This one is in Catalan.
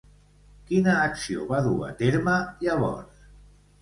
Quina acció va dur a terme llavors?